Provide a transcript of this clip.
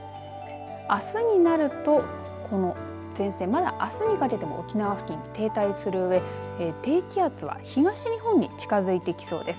あすになるとこの前線、まだあすにかけても沖縄付近、停滞するうえ低気圧は東日本に近づいてきそうです。